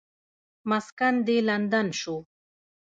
مسکن دې لندن شو.